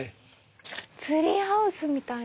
ツリーハウスみたいな。